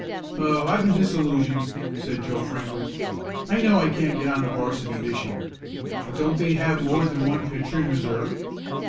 "Oh, I've been disillusioned," said Joe frankly. "I know I can't get on the 'varsity this year. But don't they have more than one pitcher in reserve?"